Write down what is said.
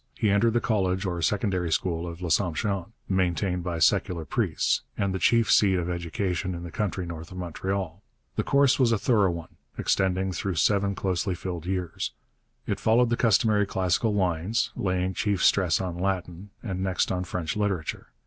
He entered the college or secondary school of L'Assomption, maintained by secular priests, and the chief seat of education in the country north of Montreal. The course was a thorough one, extending through seven closely filled years. It followed the customary classical lines, laying chief stress on Latin, and next on French literature.